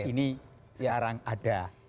ini sekarang ada